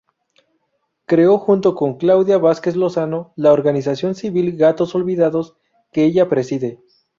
Creó, junto con Claudia Vásquez Lozano, la organización civil Gatos Olvidados, que ella preside.